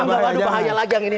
aduh bahaya lagi yang ini